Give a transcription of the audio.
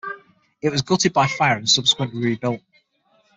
It was gutted by fire and subsequently rebuilt.